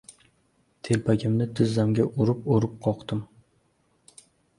Telpagimni tizzamga urib-urib qoqdim.